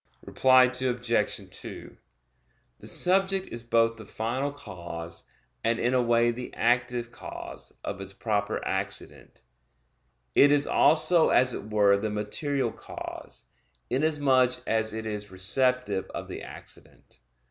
Reply Obj. 2: The subject is both the final cause, and in a way the active cause, of its proper accident. It is also as it were the material cause, inasmuch as it is receptive of the accident.